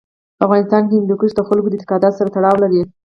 په افغانستان کې هندوکش د خلکو د اعتقاداتو سره تړاو لري.